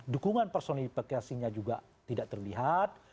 dukungan personifikasinya juga tidak terlihat